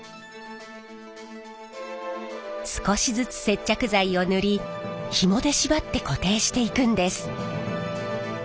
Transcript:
少しずつ接着剤を塗りひもで縛って固定していくんです。